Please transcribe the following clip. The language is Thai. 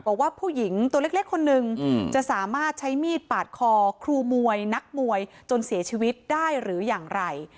ว่าผู้หญิงตัวเล็กคนหนึ่งจะสามารถใช้มีดปาดคอครูมวยนักมวยจนเสียชีวิตได้หรืออย่างไร